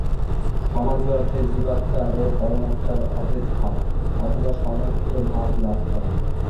সমাধি-অর্থে জীবাত্মা ও পরমাত্মার অভেদভাব, অথবা সমত্বভাব লাভ করা।